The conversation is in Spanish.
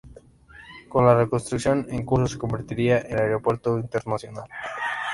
Con la reconstrucción en curso, se convertirá en aeropuerto internacional.